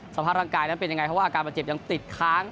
สภาพร่างกายนั้นเป็นยังไงเพราะว่าอาการบาดเจ็บยังติดค้าง